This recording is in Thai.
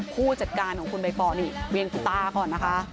ผู้จัดการของคุณใบปอนี่เวียงคุณตาก่อนนะคะ